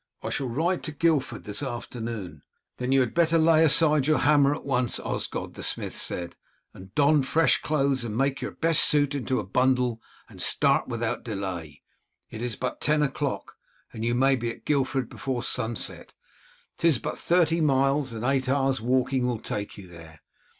"I shall ride to Guildford this afternoon." "Then you had better lay aside your hammer at once, Osgod," the smith said, "and don fresh clothes, and make your best suit into a bundle and start without delay; it is but ten o'clock, and you may be at Guildford before sunset. 'Tis but thirty miles, and eight hours' walking will take you there.